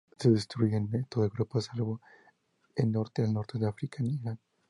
Se distribuye en toda Europa salvo en norte, el norte de África, en Irán.